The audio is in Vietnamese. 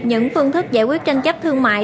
những phương thức giải quyết tranh chấp thương mại